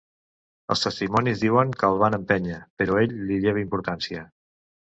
Els testimonis diuen que el van empènyer, però ell li lleva importància.